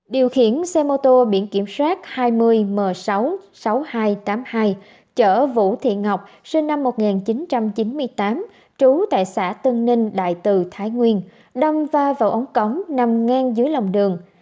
điều khiển xe mô tô biển kiểm soát hai mươi m sáu mươi sáu nghìn hai trăm tám mươi hai chở vũ thị ngọc sinh năm một nghìn chín trăm chín mươi tám trú tại xã tân ninh đại từ thái nguyên đâm va vào ống cống nằm ngang dưới lòng đường